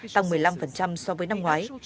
tăng một mươi năm so với năm ngoái